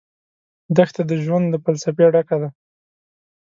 دښته د ژوند له فلسفې ډکه ده.